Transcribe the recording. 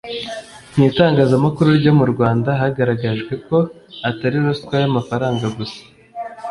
Mu itangazamakuru ryo mu Rwanda hagaragajwe ko Atari ruswa y’amafaranga gusa